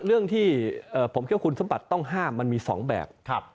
เรื่องที่ผมคิดว่าคุณสมบัติต้องห้ามมันมี๒แบบ